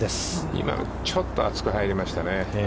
今のちょっと厚く入りましたよね。